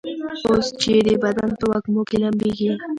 اوس چي دي بدن په وږمو کي لمبیږي